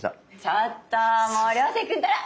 ちょっともう涼星君ったら。